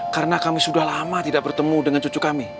karena kami sudah lama tidak bertemu dengan cucu kami